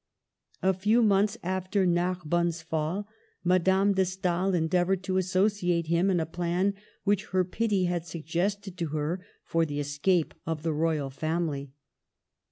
A few months after Narbonne's fall, Madame de Stael endeavored to associate him in a plan which her pity had suggested to her for the escape of the Royal Family.